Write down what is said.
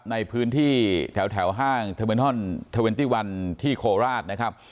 ในพื้นที่แถวห้างเทอร์เมนฮอนเทอร์เวนตี้วันที่โคราชนะครับ